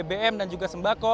bbm dan juga sembako